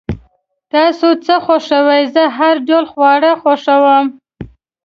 تاسو څه خوښوئ؟ زه هر ډوله خواړه خوښوم